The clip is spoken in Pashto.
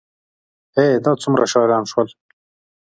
ای، دا څومره شاعران شول